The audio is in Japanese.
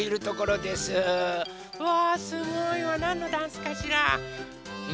わすごいわなんのダンスかしら？